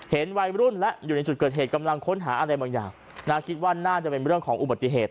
เห็นวัยรุ่นและอยู่ในจุดเกิดเหตุกำลังค้นหาอะไรบางอย่างน่าคิดว่าน่าจะเป็นเรื่องของอุบัติเหตุ